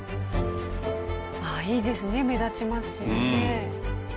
ああいいですね目立ちますしね。